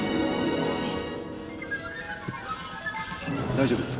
大丈夫ですか！？